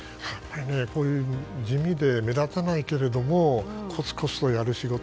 こういう地味で目立たないけれどもコツコツとやる仕事。